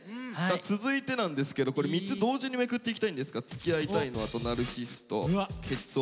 続いてなんですけどこれ３つ同時にめくっていきたいんですが「つきあいたいのは？」と「ナルシスト」「ケチそうなの」。